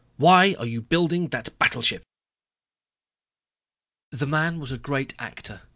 Why are you building that battleship?" The man was a great actor.